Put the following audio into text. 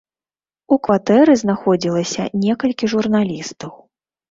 У кватэры знаходзілася некалькі журналістаў.